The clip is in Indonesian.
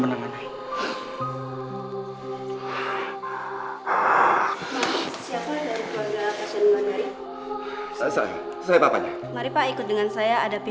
mendingan kalian minggir deh